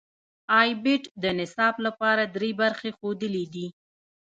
ای بیټ د نصاب لپاره درې برخې ښودلې دي.